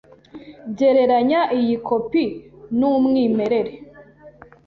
Gereranya iyi kopi numwimerere.